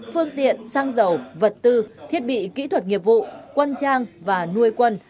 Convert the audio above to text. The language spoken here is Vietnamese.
phương tiện xăng dầu vật tư thiết bị kỹ thuật nghiệp vụ quân trang và nuôi quân